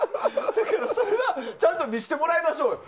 だから、それはちゃんと見せてもらいましょうよ。